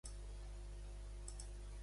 Eren unes paraules que lloaven a Déu?